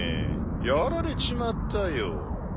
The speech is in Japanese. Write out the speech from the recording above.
やられちまったよ。